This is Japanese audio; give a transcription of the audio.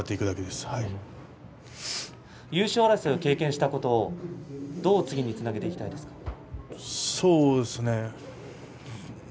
優勝争いを経験したことどう次につなげていきますか？